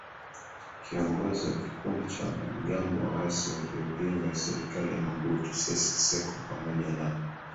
kiongozi wa kikundi cha wanamgambo waasi waliopinga serikali ya Mobutu Sese SekoPamoja na